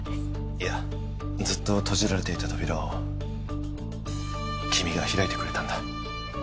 いやずっと閉じられていた扉を君が開いてくれたんだ。